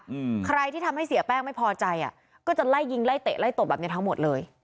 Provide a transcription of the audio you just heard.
อืมใครที่ทำให้เสียแป้งไม่พอใจอ่ะก็จะไล่ยิงไล่เตะไล่ตบแบบเนี้ยทั้งหมดเลย